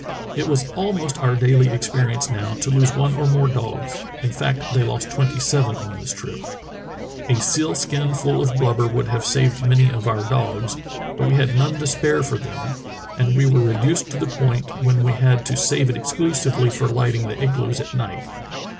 It was almost our daily experience now to lose one or more dogs [in fact, they lost tvventy sevep on this trip]. A seal skin full of blubber would have saved many of our dogs; but we had none to spare for them, as we were reduced to the point when we had to save it exclusively for lighting the igloos at night.